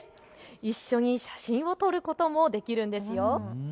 一緒に写真を撮ることもできるんですよ。